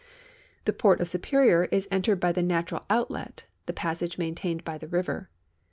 The port n( Sui)erior is entered by the natnral outlet— the i)a.ssage niahitained hy the river.